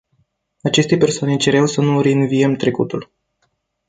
Aceste persoane cereau să nu reînviem trecutul.